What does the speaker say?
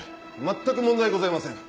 全く問題ございません。